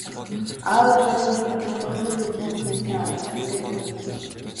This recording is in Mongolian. Аав ээж хоёр нь тэднийг чухам юу хийж идсэнийг сайн ойлгосонгүй өнгөрөв.